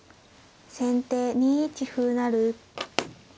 先手２一歩成。